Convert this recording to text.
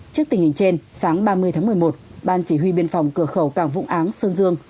trước tình hình trên sáng ba mươi tháng một mươi một ban chỉ huy biên phòng cửa khẩu cảng vũng áng sơn dương